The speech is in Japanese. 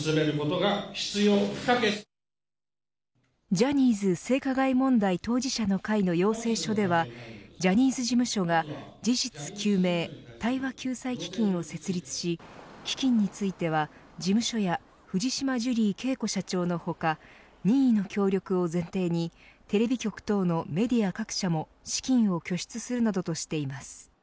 ジャニーズ性加害問題当事者の会の要請書ではジャニーズ事務所が事実究明・対話救済基金を設立し基金については、事務所や藤島ジュリー景子社長の他任意の協力を前提にテレビ局等のメディア各社も資金を拠出するなどとしています。